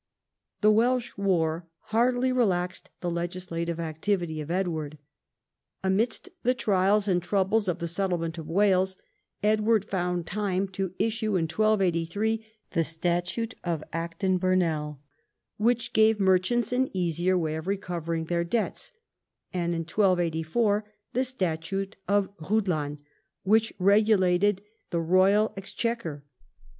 The Welsh war hardly relaxed the legislative activity of Edward. Amidst the trials and troubles of the settlement of Wales, Edward found time to issue in 1283 the Statute of Acton Burnell, which gave mer chants an easier way of recovering their debts, and in 1284 the Statute of Rhuddlan, which regulated the royal exchequer.